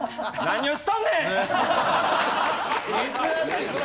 何をしとんねん！